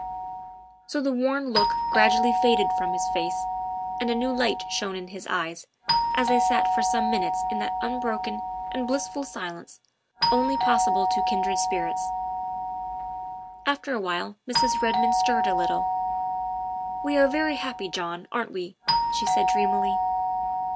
So the worn look gradually faded from his face, and 22 THE WIFE OF a new light shone in his eyes, as they sat for some minutes in that unbroken and blissful silence only pos sible to kindred spirits. After a while Mrs. Redmond stirred a little. " We are very happy, John, aren't we?" she said dreamily.